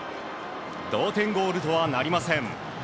同点ゴールとはなりません。